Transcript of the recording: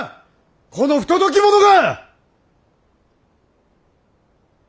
この不届き者が！